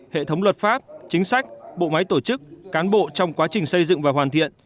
hệ thống luật pháp chính sách bộ máy tổ chức cán bộ trong quá trình xây dựng và hoàn thiện